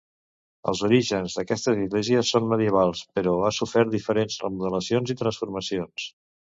Els orígens d'aquesta església són medievals, però ha sofert diferents remodelacions i transformacions.